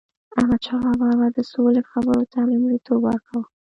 احمدشاه بابا به د سولي خبرو ته لومړیتوب ورکاوه.